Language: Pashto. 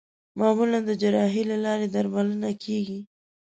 معمولا د جراحۍ له لارې درملنه کېږي.